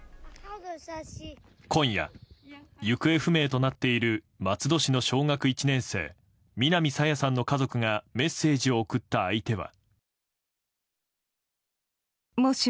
今夜、行方不明となっている松戸市の小学１年生・南朝芽さんの家族がメッセージを送った相手は。